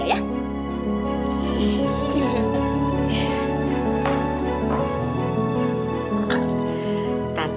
ma ini mau kasih tau tante